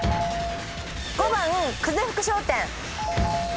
５番久世福商店。